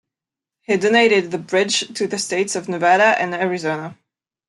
He donated the bridge to the states of Nevada and Arizona.